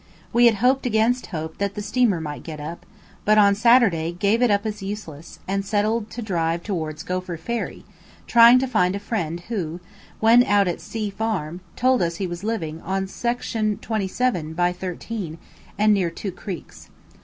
We hoped against hope that the steamer might get up, but on Saturday gave it up as useless, and settled to drive towards Gophir Ferry, trying to find a friend who, when out at C Farm, told us he was living on section xxvii by 13, and near two creeks.